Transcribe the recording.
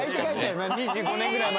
２５年ぐらい前。